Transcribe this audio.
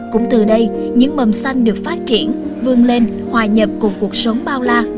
cũng từ đây những mầm xanh được phát triển vươn lên hòa nhập cùng cuộc sống bao la